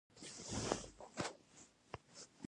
د وزن، قافیې او عروضو منظم کتابونه کم دي